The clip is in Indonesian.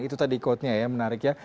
itu tadi kodnya ya menarik ya